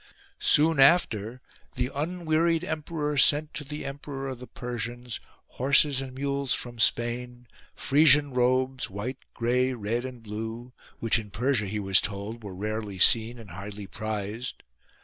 Soon after the unwearied emperor sent to the emperor of the Persians horses and mules from Spain ; Frisian robes, white, grey, red and blue ; which in Persia, he was told, were rarely seen and highly prized.